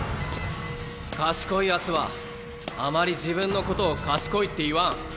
賢いヤツはあまり自分のことを賢いって言わん。